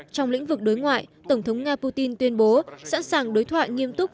trong lĩnh vực đối ngoại tổng thống nga putin tuyên bố sẵn sàng đối thoại nghiêm túc